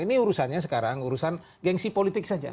ini urusannya sekarang urusan gengsi politik saja